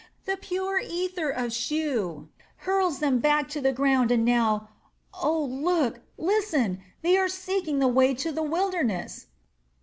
The pure ether of Shu hurls them back to the ground and now oh look, listen they are seeking the way to the wilderness."